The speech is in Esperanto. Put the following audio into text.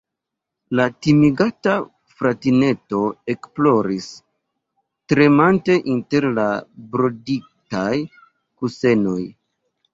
La timigata fratineto ekploris, tremante inter la broditaj kusenoj.